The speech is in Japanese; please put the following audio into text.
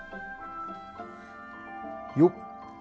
よっ。